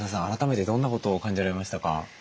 改めてどんなことを感じられましたか？